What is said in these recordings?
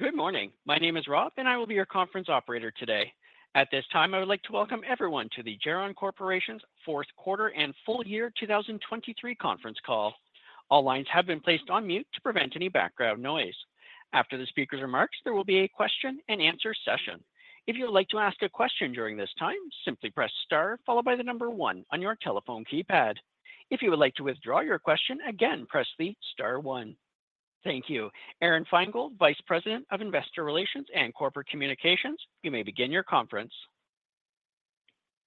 Good morning. My name is Rob, and I will be your conference operator today. At this time, I would like to welcome everyone to the Geron Corporation's Fourth Quarter and Full Year 2023 Conference Call. All lines have been placed on mute to prevent any background noise. After the speaker's remarks, there will be a question and answer session. If you'd like to ask a question during this time, simply press star followed by the number one on your telephone keypad. If you would like to withdraw your question again, press the star one. Thank you. Aron Feingold, Vice President of Investor Relations and Corporate Communications, you may begin your conference.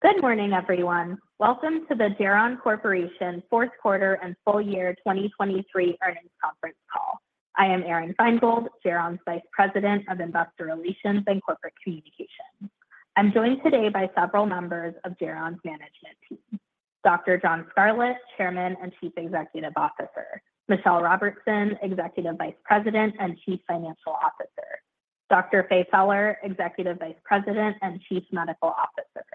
Good morning, everyone. Welcome to the Geron Corporation Fourth Quarter and Full Year 2023 Earnings Conference Call. I am Aron Feingold, Geron's Vice President of Investor Relations and Corporate Communications. I'm joined today by several members of Geron's management team: Dr. John Scarlett, Chairman and Chief Executive Officer; Michelle Robertson, Executive Vice President and Chief Financial Officer; Dr. Faye Feller, Executive Vice President and Chief Medical Officer;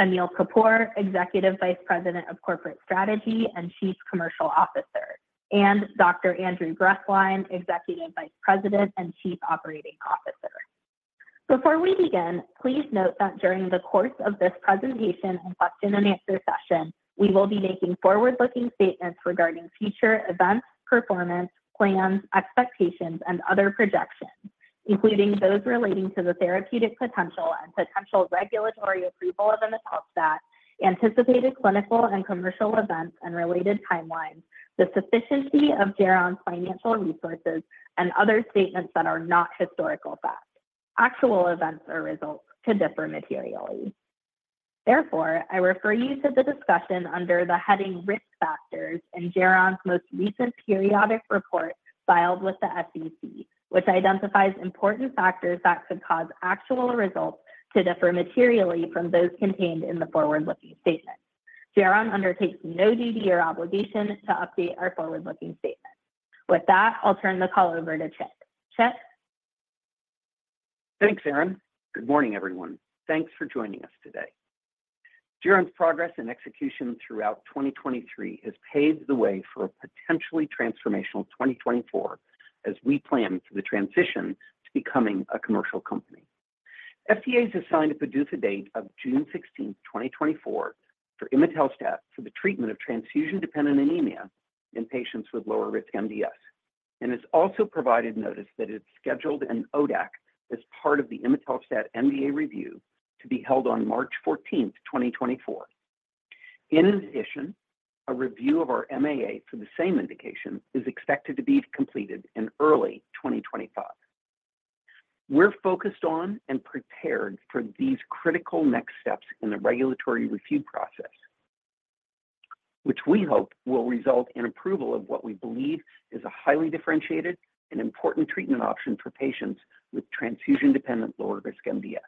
Anil Kapoor, Executive Vice President of Corporate Strategy and Chief Commercial Officer; and Dr. Andrew Grethlein, Executive Vice President and Chief Operating Officer. Before we begin, please note that during the course of this presentation and question and answer session, we will be making forward-looking statements regarding future events, performance, plans, expectations, and other projections, including those relating to the therapeutic potential and potential regulatory approval of imetelstat, anticipated clinical and commercial events and related timelines, the sufficiency of Geron's financial resources, and other statements that are not historical facts. Actual events or results could differ materially. Therefore, I refer you to the discussion under the heading Risk Factors in Geron's most recent periodic report filed with the SEC, which identifies important factors that could cause actual results to differ materially from those contained in the forward-looking statements. Geron undertakes no duty or obligation to update our forward-looking statements. With that, I'll turn the call over to Chip. Chip? Thanks, Aron. Good morning, everyone. Thanks for joining us today. Geron's progress and execution throughout 2023 has paved the way for a potentially transformational 2024 as we plan for the transition to becoming a commercial company. FDA has assigned a PDUFA date of June 16, 2024 for imetelstat for the treatment of transfusion-dependent anemia in patients with lower-risk MDS, and has also provided notice that it scheduled an ODAC as part of the imetelstat NDA review to be held on March 14, 2024. In addition, a review of our MAA for the same indication is expected to be completed in early 2025. We're focused on and prepared for these critical next steps in the regulatory review process, which we hope will result in approval of what we believe is a highly differentiated and important treatment option for patients with transfusion-dependent lower-risk MDS.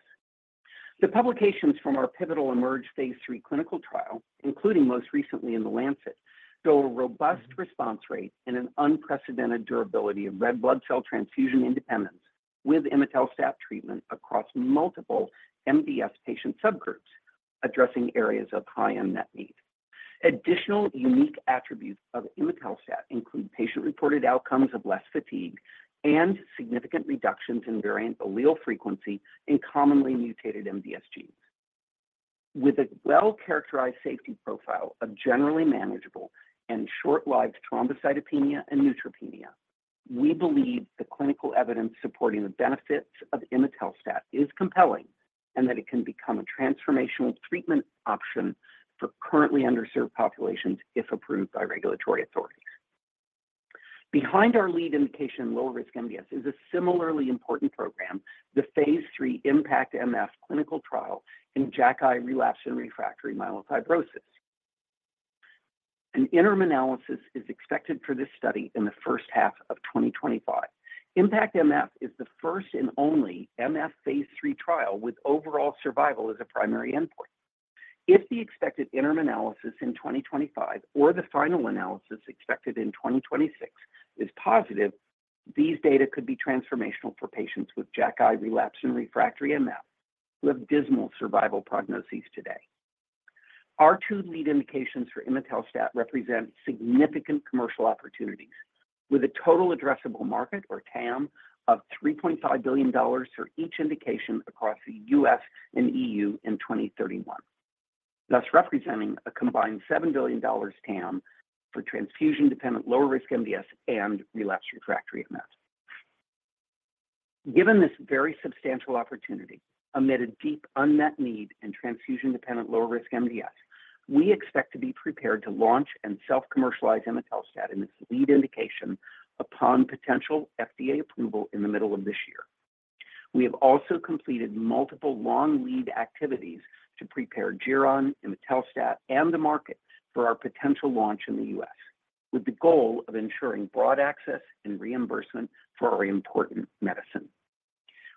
The publications from our pivotal IMerge phase III clinical trial, including most recently in The Lancet, show a robust response rate and an unprecedented durability of red blood cell transfusion independence with imetelstat treatment across multiple MDS patient subgroups, addressing areas of high unmet need. Additional unique attributes of imetelstat include patient-reported outcomes of less fatigue and significant reductions in variant allele frequency in commonly mutated MDS genes. With a well-characterized safety profile of generally manageable and short-lived thrombocytopenia and neutropenia, we believe the clinical evidence supporting the benefits of imetelstat is compelling, and that it can become a transformational treatment option for currently underserved populations if approved by regulatory authorities. Behind our lead indication, low-risk MDS, is a similarly important program, the phase III IMpactMF clinical trial in JAK-i relapsed and refractory myelofibrosis. An interim analysis is expected for this study in the first half of 2025. IMpactMF is the first and only MF phase III trial, with overall survival as a primary endpoint. If the expected interim analysis in 2025 or the final analysis expected in 2026 is positive, these data could be transformational for patients with JAK-i relapse and refractory MF, who have dismal survival prognoses today. Our two lead indications for imetelstat represent significant commercial opportunities, with a total addressable market or TAM of $3.5 billion for each indication across the U.S. and EU in 2031, thus representing a combined $7 billion TAM for transfusion-dependent lower-risk MDS and relapse refractory MF. Given this very substantial opportunity, amid a deep unmet need in transfusion-dependent lower-risk MDS, we expect to be prepared to launch and self-commercialize imetelstat in its lead indication upon potential FDA approval in the middle of this year. We have also completed multiple long lead activities to prepare Geron, imetelstat, and the market for our potential launch in the U.S., with the goal of ensuring broad access and reimbursement for our important medicine.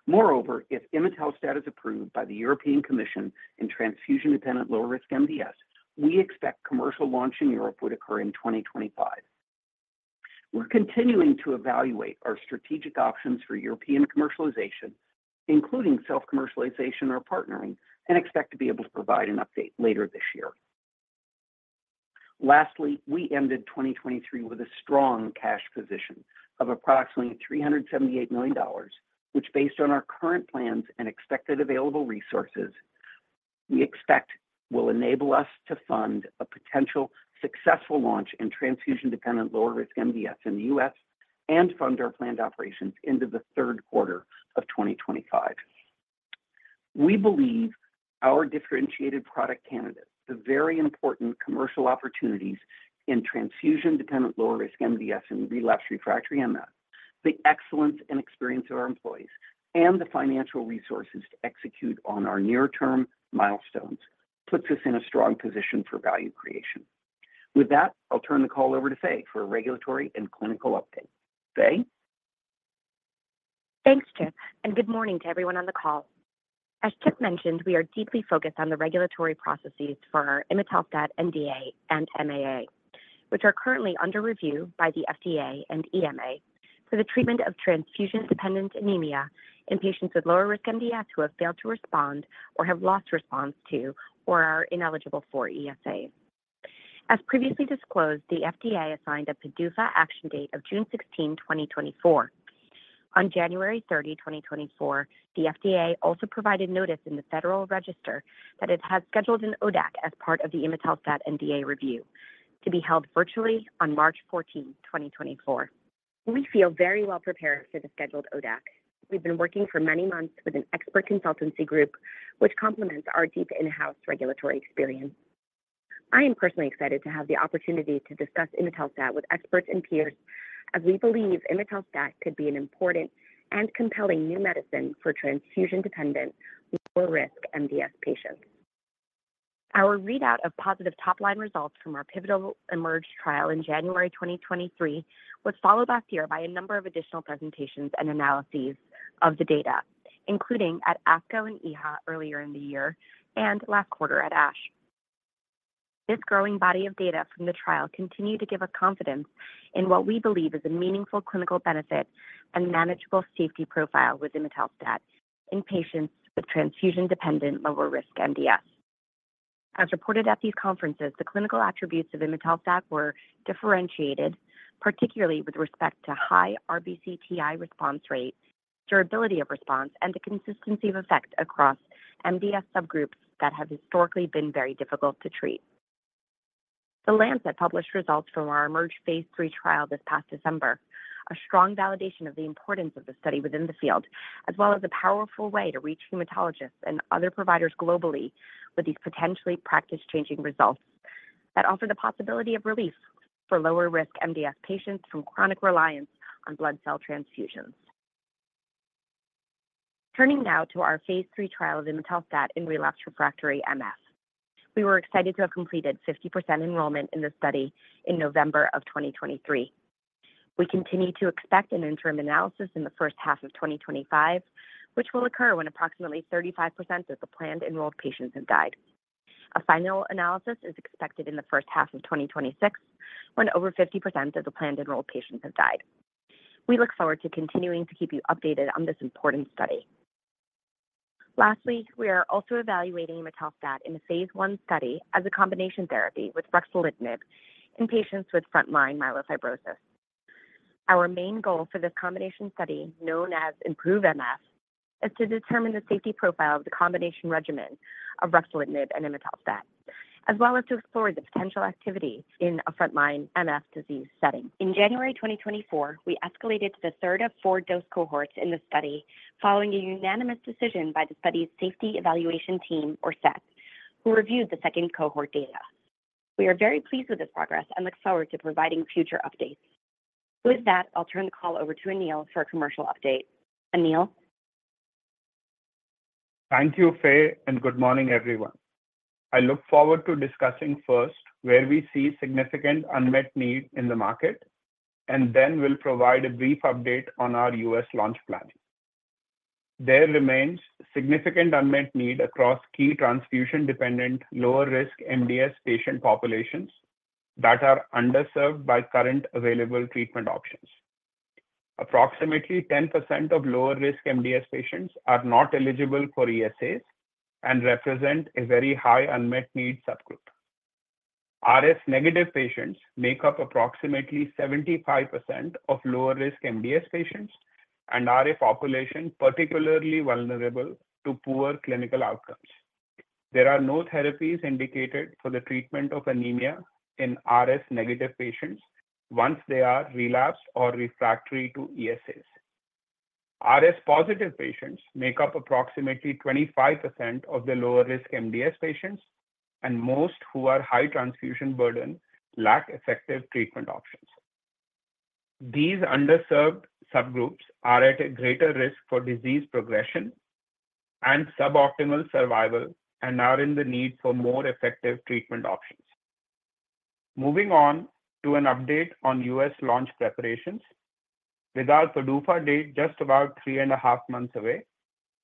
Moreover, if imetelstat is approved by the European Commission in transfusion-dependent lower-risk MDS, we expect commercial launch in Europe would occur in 2025. We're continuing to evaluate our strategic options for European commercialization, including self-commercialization or partnering, and expect to be able to provide an update later this year. Lastly, we ended 2023 with a strong cash position of approximately $378 million, which, based on our current plans and expected available resources, we expect will enable us to fund a potential successful launch in transfusion-dependent lower-risk MDS in the U.S. and fund our planned operations into the third quarter of 2025. We believe our differentiated product candidates, the very important commercial opportunities in transfusion-dependent lower risk MDS and relapsed refractory MF, the excellence and experience of our employees, and the financial resources to execute on our near-term milestones, puts us in a strong position for value creation. With that, I'll turn the call over to Faye for a regulatory and clinical update. Faye? Thanks, Chip, and good morning to everyone on the call. As Chip mentioned, we are deeply focused on the regulatory processes for imetelstat NDA and MAA, which are currently under review by the FDA and EMA for the treatment of transfusion-dependent anemia in patients with lower risk MDS who have failed to respond or have lost response to, or are ineligible for ESAs. As previously disclosed, the FDA assigned a PDUFA action date of June 16, 2024. On January 30, 2024, the FDA also provided notice in the Federal Register that it has scheduled an ODAC as part of the imetelstat NDA review to be held virtually on March 14, 2024. We feel very well prepared for the scheduled ODAC. We've been working for many months with an expert consultancy group, which complements our deep in-house regulatory experience. I am personally excited to have the opportunity to discuss imetelstat with experts and peers, as we believe imetelstat could be an important and compelling new medicine for transfusion-dependent, lower-risk MDS patients. Our readout of positive top-line results from our pivotal IMerge trial in January 2023, was followed last year by a number of additional presentations and analyses of the data, including at ASCO and EHA earlier in the year and last quarter at ASH. This growing body of data from the trial continued to give us confidence in what we believe is a meaningful clinical benefit and manageable safety profile with imetelstat in patients with transfusion-dependent, lower-risk MDS. As reported at these conferences, the clinical attributes of imetelstat were differentiated, particularly with respect to high RBC TI response rate, durability of response, and the consistency of effect across MDS subgroups that have historically been very difficult to treat. The Lancet published results from our IMerge phase III trial this past December, a strong validation of the importance of the study within the field, as well as a powerful way to reach hematologists and other providers globally with these potentially practice-changing results that offer the possibility of relief for lower-risk MDS patients from chronic reliance on blood cell transfusions. Turning now to our phase III trial of imetelstat in relapsed/refractory MF. We were excited to have completed 50% enrollment in this study in November of 2023. We continue to expect an interim analysis in the first half of 2025, which will occur when approximately 35% of the planned enrolled patients have died. A final analysis is expected in the first half of 2026, when over 50% of the planned enrolled patients have died. We look forward to continuing to keep you updated on this important study. Lastly, we are also evaluating imetelstat in a phase I study as a combination therapy with ruxolitinib in patients with frontline myelofibrosis. Our main goal for this combination study, known as IMproveMF, is to determine the safety profile of the combination regimen of ruxolitinib and imetelstat, as well as to explore the potential activity in a frontline MF disease setting. In January 2024, we escalated to the third of four dose cohorts in the study, following a unanimous decision by the study's Safety Evaluation Team, or SET, who reviewed the second cohort data. We are very pleased with this progress and look forward to providing future updates. With that, I'll turn the call over to Anil for a commercial update. Anil? Thank you, Faye, and good morning, everyone. I look forward to discussing first where we see significant unmet need in the market, and then we'll provide a brief update on our U.S. launch plan. There remains significant unmet need across key transfusion-dependent, lower-risk MDS patient populations that are underserved by current available treatment options. Approximately 10% of lower-risk MDS patients are not eligible for ESAs and represent a very high unmet need subgroup. RS-negative patients make up approximately 75% of lower-risk MDS patients and are a population particularly vulnerable to poor clinical outcomes. There are no therapies indicated for the treatment of anemia in RS-negative patients once they are relapsed or refractory to ESAs. RS-positive patients make up approximately 25% of the lower-risk MDS patients, and most who are high transfusion burden lack effective treatment options. These underserved subgroups are at a greater risk for disease progression and suboptimal survival and are in the need for more effective treatment options. Moving on to an update on U.S. launch preparations. With our PDUFA date just about 3.5 months away,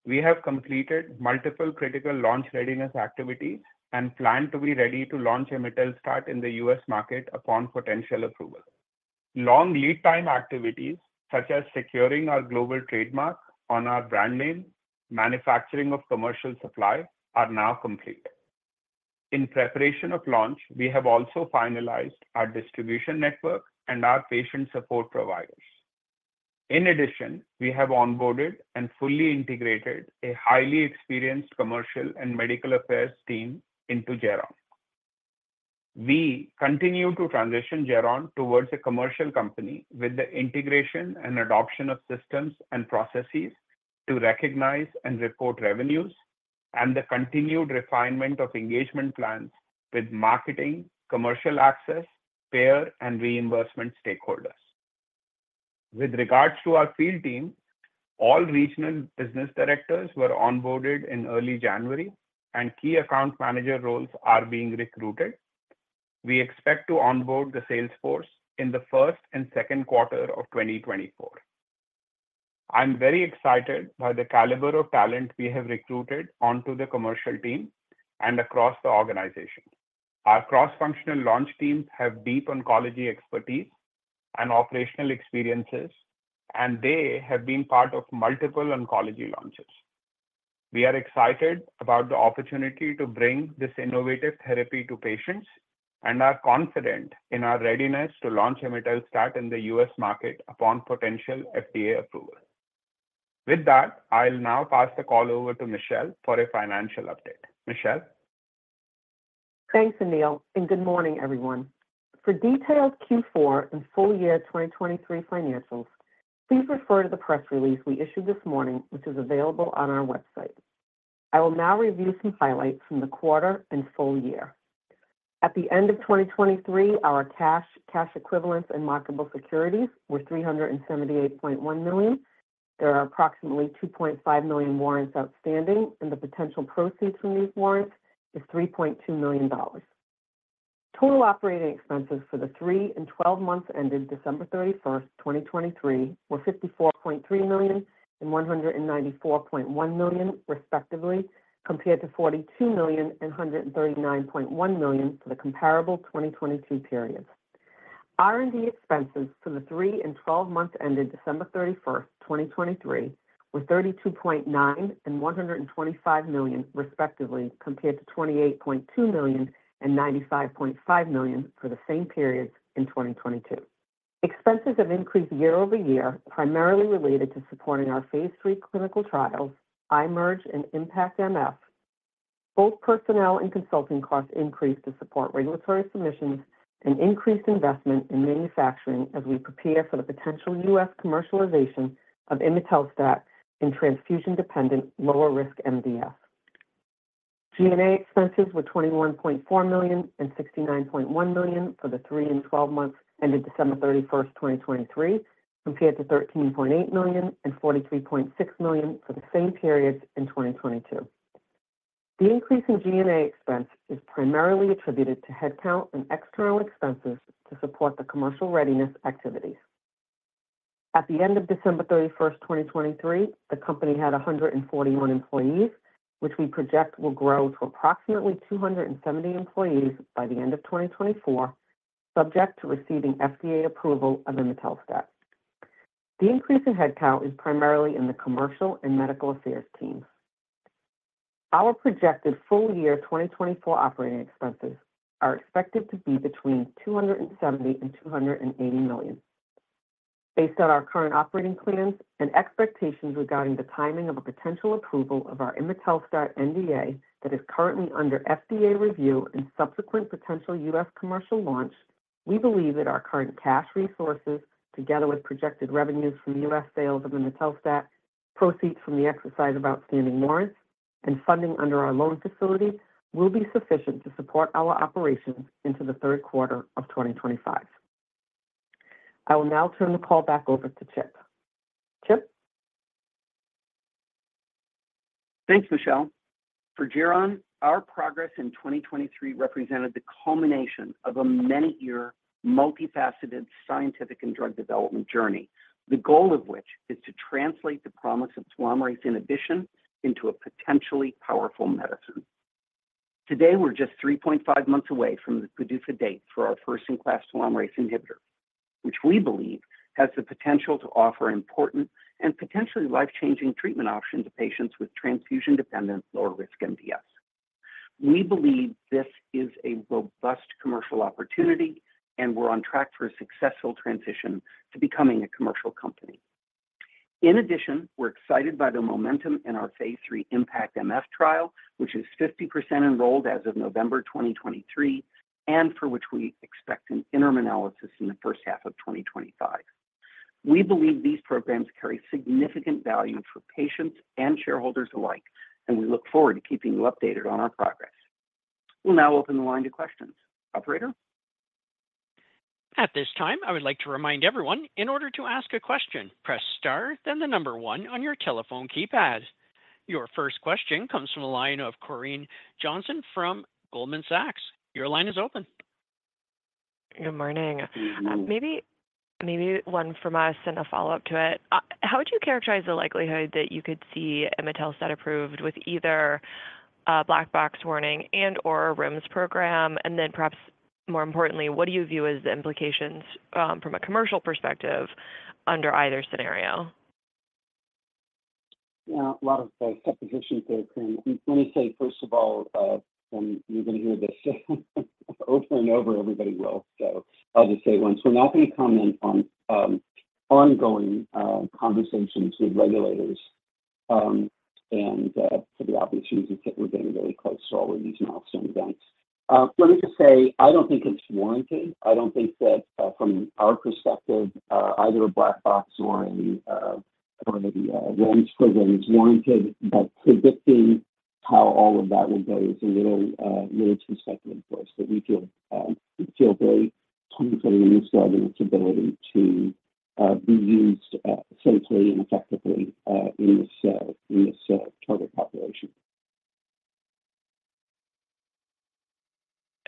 we have completed multiple critical launch readiness activities and plan to be ready to launch imetelstat in the U.S. market upon potential approval. Long lead time activities, such as securing our global trademark on our brand name, manufacturing of commercial supply, are now complete. In preparation of launch, we have also finalized our distribution network and our patient support providers. In addition, we have onboarded and fully integrated a highly experienced commercial and medical affairs team into Geron. We continue to transition Geron towards a commercial company with the integration and adoption of systems and processes to recognize and report revenues, and the continued refinement of engagement plans with marketing, commercial access, payer, and reimbursement stakeholders. With regards to our field team, all regional business directors were onboarded in early January, and key account manager roles are being recruited. We expect to onboard the sales force in the first and second quarter of 2024. I'm very excited by the caliber of talent we have recruited onto the commercial team and across the organization. Our cross-functional launch teams have deep oncology expertise and operational experiences, and they have been part of multiple oncology launches. We are excited about the opportunity to bring this innovative therapy to patients and are confident in our readiness to launch imetelstat in the U.S. market upon potential FDA approval. With that, I'll now pass the call over to Michelle for a financial update. Michelle? Thanks, Anil, and good morning, everyone. For detailed Q4 and full year 2023 financials, please refer to the press release we issued this morning, which is available on our website. I will now review some highlights from the quarter and full year. At the end of 2023, our cash, cash equivalents, and marketable securities were $378.1 million. There are approximately 2.5 million warrants outstanding, and the potential proceeds from these warrants is $3.2 million. Total operating expenses for the three and twelve months ended December 31, 2023, were $54.3 million and $194.1 million, respectively, compared to $42 million and $139.1 million for the comparable 2022 period. R&D expenses for the 3 and 12 months ended December 31, 2023, were $32.9 million and $125 million, respectively, compared to $28.2 million and $95.5 million for the same period in 2022. Expenses have increased year-over-year, primarily related to supporting our phase III clinical trials, IMerge and IMpactMF. Both personnel and consulting costs increased to support regulatory submissions and increased investment in manufacturing as we prepare for the potential U.S. commercialization of imetelstat in transfusion-dependent, lower-risk MDS. G&A expenses were $21.4 million and $69.1 million for the 3 and 12 months ended December 31, 2023, compared to $13.8 million and $43.6 million for the same period in 2022. The increase in G&A expense is primarily attributed to headcount and external expenses to support the commercial readiness activities. At the end of December 31, 2023, the company had 141 employees, which we project will grow to approximately 270 employees by the end of 2024, subject to receiving FDA approval of imetelstat. The increase in headcount is primarily in the commercial and medical affairs teams. Our projected full year 2024 operating expenses are expected to be between $270 million-$280 million. Based on our current operating plans and expectations regarding the timing of a potential approval of our imetelstat NDA that is currently under FDA review and subsequent potential U.S. commercial launch, we believe that our current cash resources, together with projected revenues from U.S. sales of imetelstat, proceeds from the exercise of outstanding warrants, and funding under our loan facility, will be sufficient to support our operations into the third quarter of 2025. I will now turn the call back over to Chip. Chip? Thanks, Michelle. For Geron, our progress in 2023 represented the culmination of a many-year, multifaceted scientific and drug development journey, the goal of which is to translate the promise of telomerase inhibition into a potentially powerful medicine. Today, we're just 3.5 months away from the PDUFA date for our first-in-class telomerase inhibitor, which we believe has the potential to offer important and potentially life-changing treatment options to patients with transfusion-dependent, lower-risk MDS. We believe this is a robust commercial opportunity, and we're on track for a successful transition to becoming a commercial company. In addition, we're excited by the momentum in our phase III IMpactMF trial, which is 50% enrolled as of November 2023, and for which we expect an interim analysis in the first half of 2025. We believe these programs carry significant value for patients and shareholders alike, and we look forward to keeping you updated on our progress. We'll now open the line to questions. Operator? At this time, I would like to remind everyone, in order to ask a question, press star, then the number one on your telephone keypad. Your first question comes from the line of Corinne Johnson from Goldman Sachs. Your line is open. Good morning. Maybe, maybe one from us and a follow-up to it. How would you characterize the likelihood that you could see imetelstat approved with either, black box warning and or REMS program? And then perhaps more importantly, what do you view as the implications, from a commercial perspective under either scenario? Yeah, a lot of suppositions there, Kim. Let me say, first of all, and you're gonna hear this over and over, everybody will. So I'll just say once, we're not gonna comment on ongoing conversations with regulators, and for the opportunity to get, we're getting very close to all of these milestone events. Let me just say, I don't think it's warranted. I don't think that from our perspective either a black box or any REMS program is warranted, but predicting how all of that will go is a little too speculative for us. So we feel very confident in this drug and its ability to be used safely and effectively in this total population.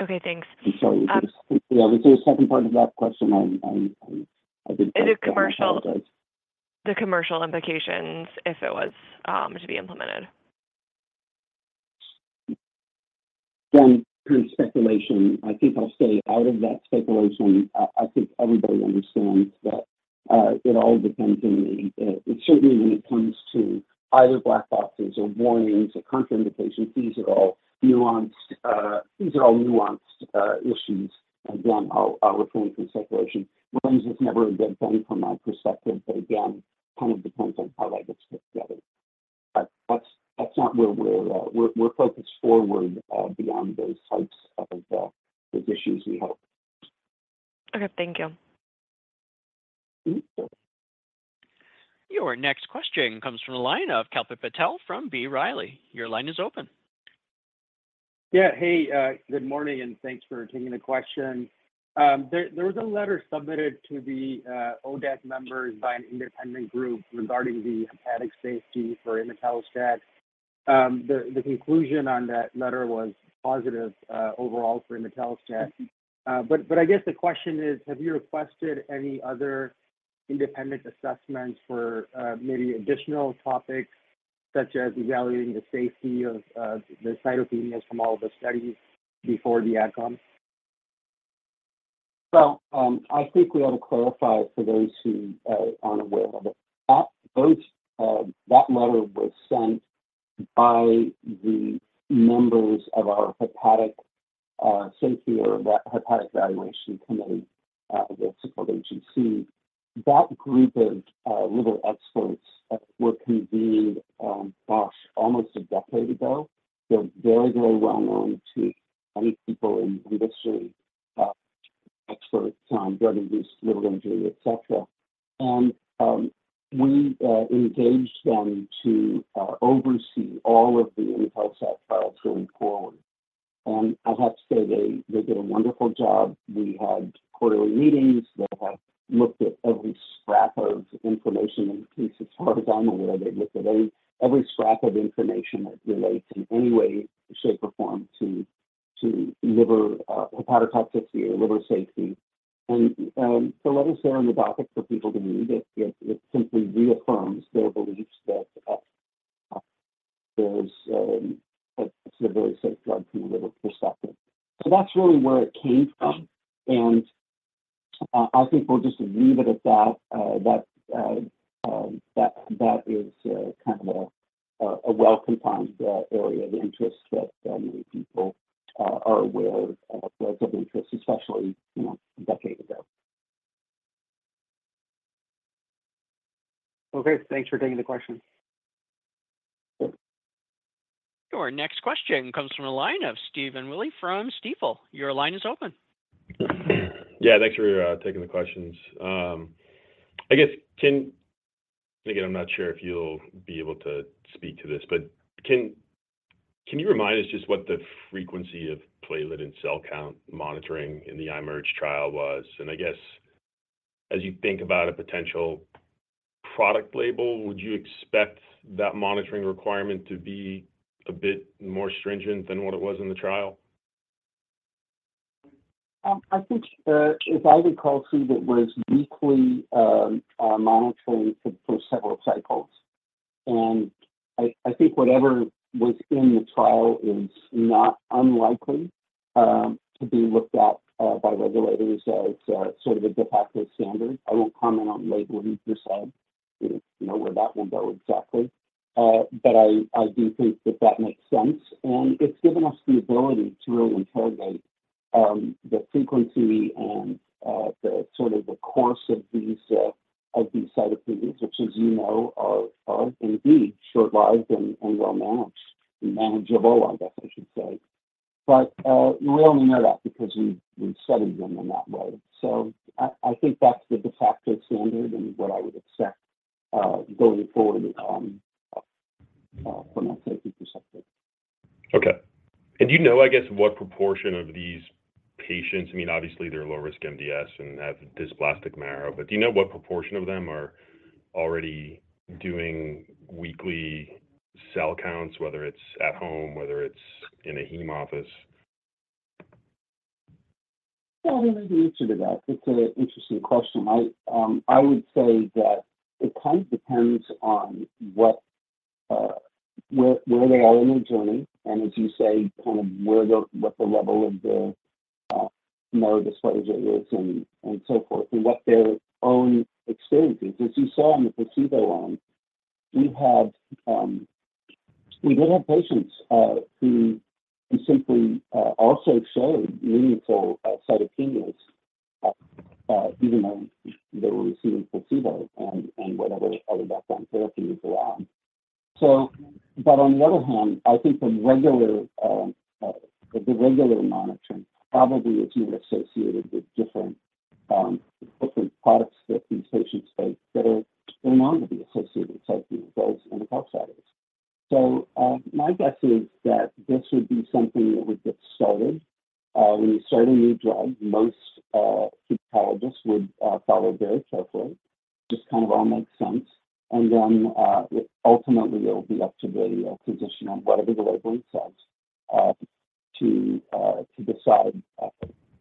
Okay, thanks. I'm sorry. Um- Yeah, was there a second part of that question? I think- The commercial, the commercial implications, if it was to be implemented. Then pure speculation. I think I'll stay out of that speculation. I think everybody understands that, it all depends on the—certainly when it comes to either black boxes or warnings or contraindications, these are all nuanced, these are all nuanced, issues. And again, I'll refrain from speculation. REMS is never a good thing from my perspective, but again, kind of depends on how that gets put together. But that's not where we're, we're focused forward, beyond those types of, those issues we have. Okay. Thank you. Your next question comes from the line of Kalpit Patel from B. Riley. Your line is open. Yeah. Hey, good morning, and thanks for taking the question. There was a letter submitted to the ODAC members by an independent group regarding the hepatic safety for imetelstat. The conclusion on that letter was positive overall for imetelstat. But I guess the question is: have you requested any other independent assessments for maybe additional topics, such as evaluating the safety of the cytopenias from all the studies before the outcome? Well, I think we ought to clarify for those who aren't aware of it. First, that letter was sent by the members of our hepatic safety or hepatic evaluation committee, the support agency. That group of liver experts were convened, gosh, almost a decade ago. They're very, very well known to many people in industry, experts on drug-induced liver injury, et cetera. And we engaged them to oversee all of the imetelstat trials going forward. And I have to say, they did a wonderful job. We had quarterly meetings. They have looked at every scrap of information and pieces. As far as I'm aware, they've looked at every scrap of information that relates in any way, shape, or form to liver hepatotoxicity or liver safety. So let me say on the docket for people to read it, it simply reaffirms their beliefs that there's, it's a very safe drug from a liver perspective. So that's really where it came from. I think we'll just leave it at that, that is kind of a well-confined area of interest that many people are aware of interest, especially, you know, a decade ago. Okay, thanks for taking the question. Your next question comes from the line of Stephen Willey from Stifel. Your line is open. Yeah, thanks for taking the questions. I guess, again, I'm not sure if you'll be able to speak to this, but can you remind us just what the frequency of platelet and cell count monitoring in the IMerge trial was? And I guess, as you think about a potential product label, would you expect that monitoring requirement to be a bit more stringent than what it was in the trial? I think, as I recall, Steve, it was weekly monitoring for several cycles. And I think whatever was in the trial is not unlikely to be looked at by regulators as sort of a de facto standard. I won't comment on labeling this side, you know, where that went, though, exactly. But I do think that that makes sense, and it's given us the ability to really interrogate the frequency and the sort of course of these cytopenias, which as you know, are indeed short-lived and well-managed, manageable, I guess I should say. But we only know that because we studied them in that way. So I think that's the de facto standard and what I would expect going forward from a safety perspective. Okay. And do you know, I guess, what proportion of these patients, I mean, obviously, they're low-risk MDS and have dysplastic marrow, but do you know what proportion of them are already doing weekly cell counts, whether it's at home, whether it's in a heme office? Well, there is an answer to that. It's an interesting question. I would say that it kind of depends on what, where, where they are in their journey, and as you say, kind of where the, what the level of the marrow dysplasia is and so forth, and what their own experiences. As you saw on the placebo arm, we had, we did have patients who simply also showed meaningful side effects even though they were receiving placebo and whatever other background therapies were on. So, but on the other hand, I think the regular monitoring probably is associated with different products that these patients take that are going on to be associated with safety and drugs and the drug studies. So, my guess is that this would be something that would get started. When you start a new drug, most hematologists would follow very carefully. Just kind of all makes sense. And then, ultimately, it will be up to the clinician on whatever the labeling says, to decide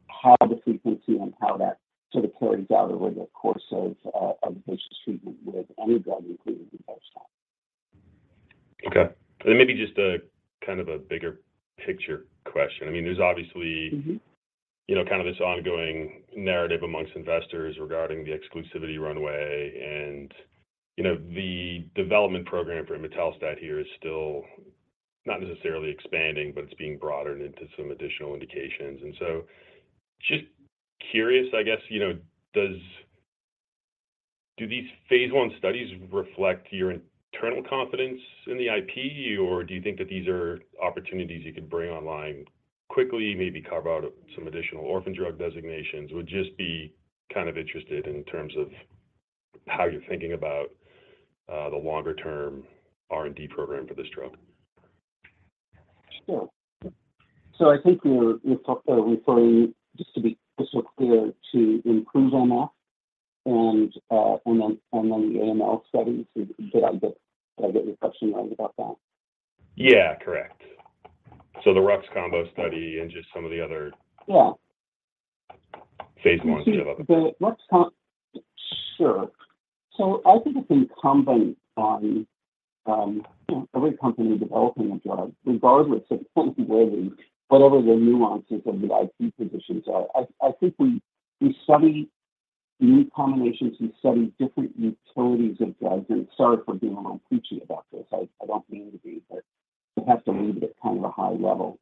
how the frequency and how that sort of carries out over the course of the patient's treatment with any drug, including the first time. Okay. Maybe just a kind of a bigger picture question. I mean, there's obviously- Mm-hmm. You know, kind of this ongoing narrative amongst investors regarding the exclusivity runway and, you know, the development program for imetelstat here is still not necessarily expanding, but it's being broadened into some additional indications. And so just curious, I guess, you know, does—do these phase I studies reflect your internal confidence in the IP, or do you think that these are opportunities you could bring online quickly, maybe carve out some additional orphan drug designations? Would just be kind of interested in terms of how you're thinking about the longer-term R&D program for this drug. Sure. So I think we're talking, referring just to be specific, clear to improve on that and on the AML study to get out that, get your question right about that. Yeah, correct. So the Rux combo study and just some of the other. Yeah Phase I and other. Sure. So I think it's incumbent on every company developing a drug, regardless of whatever the nuances of the IP positions are. I think we study new combinations, we study different utilities of drugs, and sorry for being all preachy about this. I don't mean to be, but it has to leave it at kind of a high level.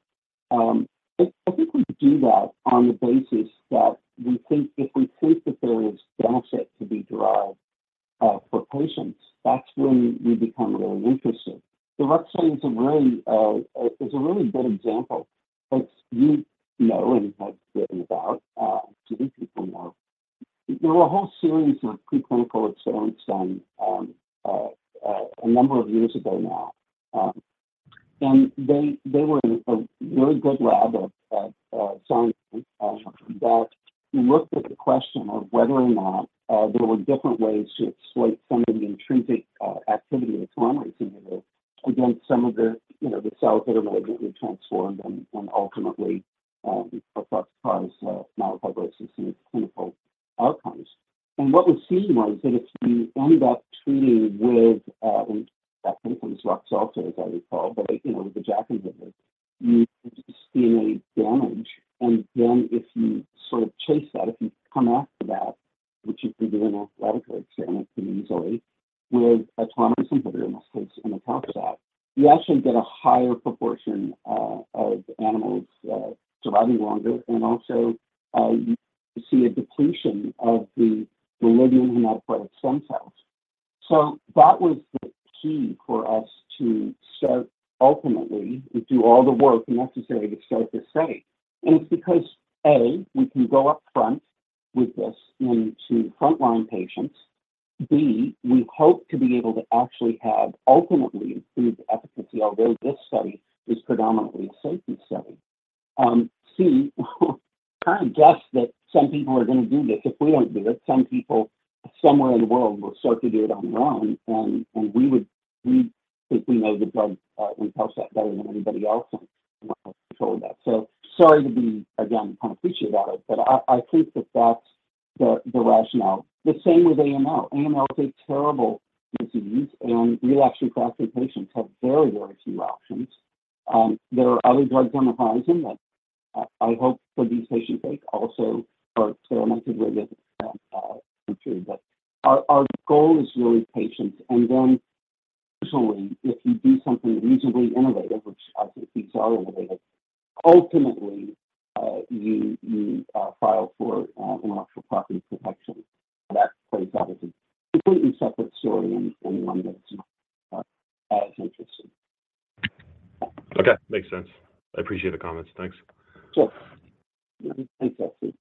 I think we do that on the basis that we think if we think that there is benefit to be derived for patients, that's when we become really interested. The Rux study is a really good example. As you know, and have written about, do these people know, there were a whole series of preclinical studies done a number of years ago now. And they were in a really good lab of science that looked at the question of whether or not there were different ways to exploit some of the intrinsic activity of the telomerase against some of the, you know, the cells that are already transformed and ultimately, of course, cause myeloproliferative disease clinical outcomes. And what was seen was that if you end up treating with, I think it was Rux also, as I recall, but, you know, the JAK-i treatment, you see any damage, and then if you sort of chase that, if you come after that, which you can do in a preclinical experiment pretty easily, with telomerase inhibition on top of that, you actually get a higher proportion of animals surviving longer, and also, you see a depletion of the leukemic cells in that model themselves. So that was the key for us to start, ultimately, do all the work necessary to start this study. And it's because, A, we can go up front with this into frontline patients. B, we hope to be able to actually have ultimately improved efficacy, although this study is predominantly a safety study. C, I guess that some people are going to do this. If we don't do this, some people somewhere in the world will start to do it on their own, and we would, we think we know the drug and health set better than anybody else, and control that. So sorry to be, again, kind of preachy about it, but I think that that's the rationale. The same with AML. AML is a terrible disease, and relapsed or refractory patients have very, very few options. There are other drugs on the horizon that I hope for these patients' sake, also are therapeutically true. But our goal is really patients, and then additionally, if you do something reasonably innovative, which I think these are innovative, ultimately you file for intellectual property protection. That plays obviously completely separate story and one that's as interesting. Okay. Makes sense. I appreciate the comments. Thanks. Sure. Thanks, Jesse.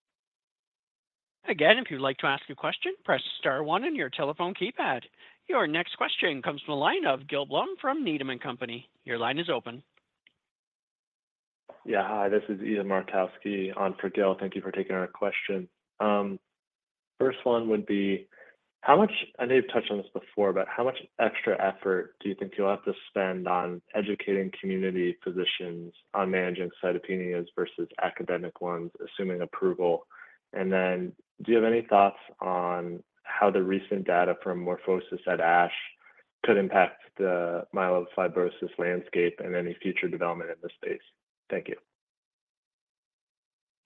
Again, if you'd like to ask a question, press star one on your telephone keypad. Your next question comes from the line of Gil Blum from Needham and Company. Your line is open. Yeah. Hi, this is Ethan Markowski on for Gil. Thank you for taking our question. First one would be how much, I know you've touched on this before, but how much extra effort do you think you'll have to spend on educating community physicians on managing cytopenias versus academic ones, assuming approval? And then do you have any thoughts on how the recent data from Morphosys at ASH could impact the myelofibrosis landscape and any future development in this space? Thank you.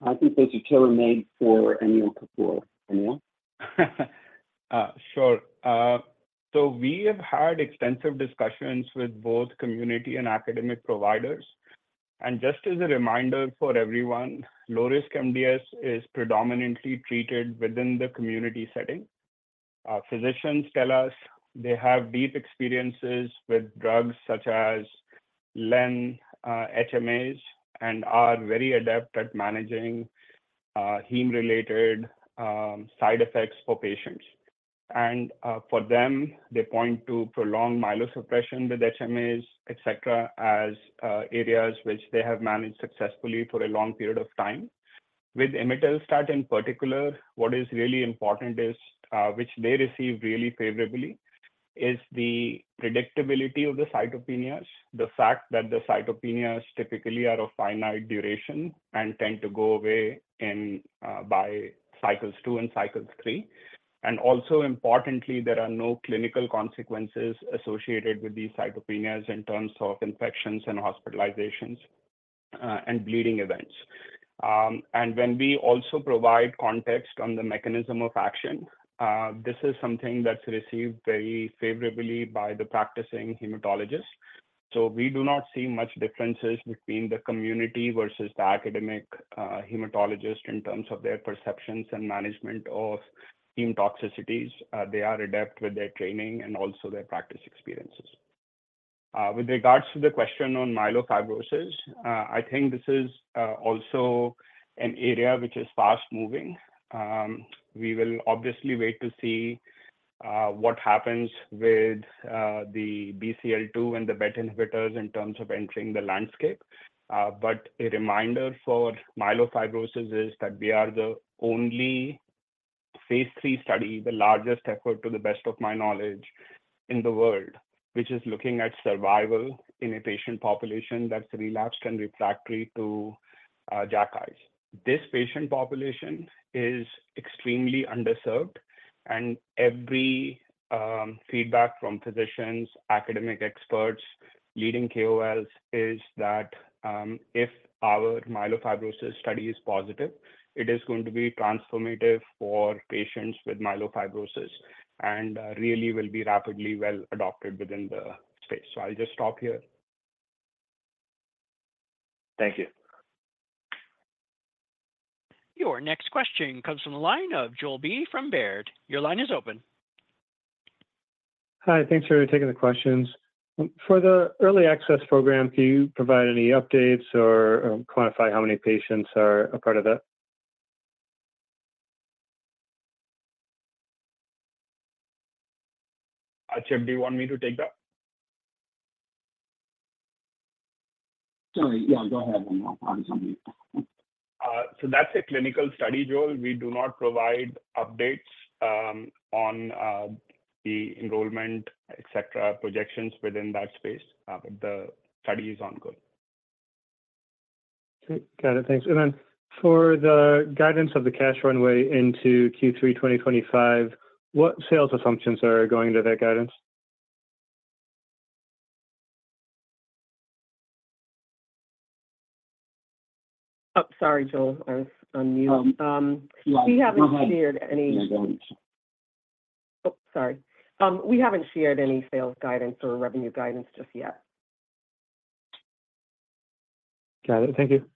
I think those are tailor-made for Anil Kapoor. Anil? Sure. So we have had extensive discussions with both community and academic providers. Just as a reminder for everyone, low risk MDS is predominantly treated within the community setting. Physicians tell us they have deep experiences with drugs such as len, HMAs, and are very adept at managing heme-related side effects for patients. For them, they point to prolonged myelosuppression with HMAs, et cetera, as areas which they have managed successfully for a long period of time. With imetelstat in particular, what is really important, which they receive really favorably, is the predictability of the cytopenias, the fact that the cytopenias typically are of finite duration and tend to go away by cycles 2 and cycles 3. Also importantly, there are no clinical consequences associated with these cytopenias in terms of infections, and hospitalizations, and bleeding events. When we also provide context on the mechanism of action, this is something that's received very favorably by the practicing hematologist. We do not see much differences between the community versus the academic hematologist in terms of their perceptions and management of heme toxicities. They are adept with their training and also their practice experiences. With regards to the question on myelofibrosis, I think this is also an area which is fast-moving. We will obviously wait to see what happens with the BCL-2 and the BET inhibitors in terms of entering the landscape. But a reminder for myelofibrosis is that we are the only phase three study, the largest effort, to the best of my knowledge, in the world, which is looking at survival in a patient population that's relapsed and refractory to JAK-i's. This patient population is extremely underserved, and every feedback from physicians, academic experts, leading KOLs, is that if our myelofibrosis study is positive, it is going to be transformative for patients with myelofibrosis and really will be rapidly well adopted within the space. So I'll just stop here. Thank you. Your next question comes from the line of Joel Beatty from Baird. Your line is open. Hi, thanks for taking the questions. For the early access program, can you provide any updates or quantify how many patients are a part of that? Chip, do you want me to take that? Sorry. Yeah, go ahead, Anil. I was on mute. So that's a clinical study, Joel. We do not provide updates on the enrollment, et cetera, projections within that space. But the study is ongoing. Great. Got it. Thanks. And then for the guidance of the cash runway into Q3 2025, what sales assumptions are going into that guidance? Oh, sorry, Joel, I was on mute. Um, yeah- We haven't shared any. Go ahead. Oh, sorry. We haven't shared any sales guidance or revenue guidance just yet. Got it. Thank you.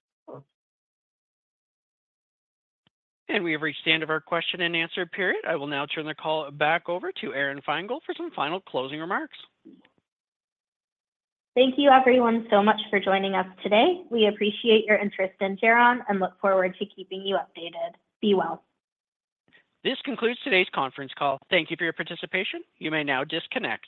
Welcome. We have reached the end of our question and answer period. I will now turn the call back over to Aron Feingold for some final closing remarks. Thank you everyone so much for joining us today. We appreciate your interest in Geron and look forward to keeping you updated. Be well. This concludes today's conference call. Thank you for your participation. You may now disconnect.